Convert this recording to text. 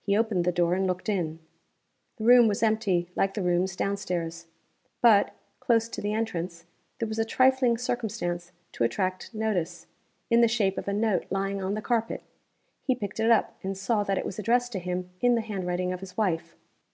He opened the door and looked in. The room was empty, like the rooms down stairs. But, close to the entrance, there was a trifling circumstance to attract notice, in the shape of a note lying on the carpet. He picked it up, and saw that it was addressed to him in the handwriting of his wife.